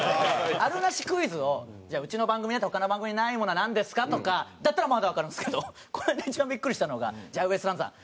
あるなしクイズを「じゃあうちの番組にあって他の番組にないものはなんですか？」とかだったらまだわかるんですけどこの間一番ビックリしたのが「ウエストランドさん